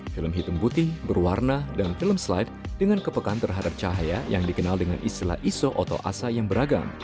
film hitam putih berwarna dan film slide dengan kepekan terhadap cahaya yang dikenal dengan istilah iso atau asa yang beragam